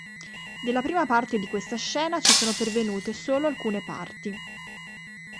Della prima parte di questa scena ci sono pervenute solo alcune parti.